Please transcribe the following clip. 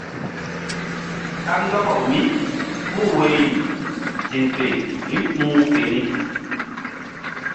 Kandɔkaw mípuh woyri ziŋ fe mí hu̧h keni.